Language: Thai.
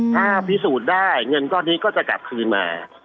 ถ้าพิสูจน์ได้เงินก้อนนี้ก็จะกลับคืนมา